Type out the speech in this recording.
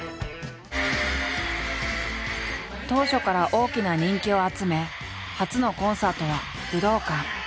当初から大きな人気を集め初のコンサートは武道館。